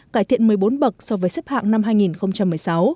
cải thiện một mươi bốn bậc so với xếp hạng năm hai nghìn một mươi sáu